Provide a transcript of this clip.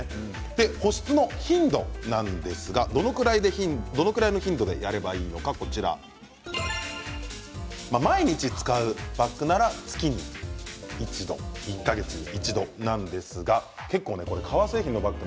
保湿の頻度なんですがどのぐらいの頻度でやればいいのかこちら毎日使うバッグなら月に１度１か月に１度なんですが結構革製品のバッグ